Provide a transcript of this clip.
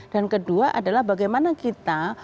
dan kedua adalah bagaimana kita